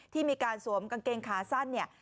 ที่มีการสวมกางเกงขาสั้นเนี่ย